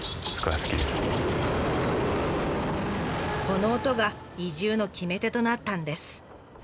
この音が移住の決め手となったんです。